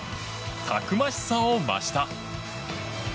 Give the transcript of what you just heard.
たくましさを増した。